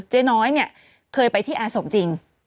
เจ๊น้อยเนี่ยเคยไปที่อาสมจริง